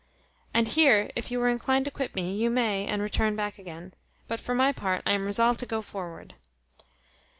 And here, if you are inclined to quit me, you may, and return back again; but for my part, I am resolved to go forward."